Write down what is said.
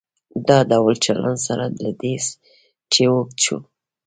دا ډول چلن سره له دې چې اوږد شو.